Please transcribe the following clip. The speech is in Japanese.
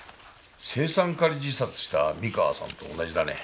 青酸カリ自殺した三河さんと同じだね。